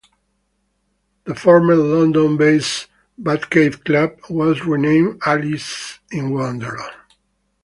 The former London-based Batcave Club was renamed "Alice In Wonderland".